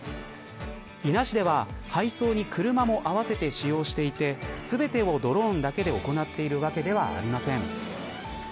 伊那市では、配送に車も併せて使用していて全てをドローンだけで行っているわけではありません。